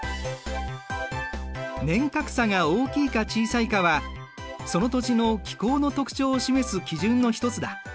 年較差が大きいか小さいかはその土地の気候の特徴を示す基準の一つだ。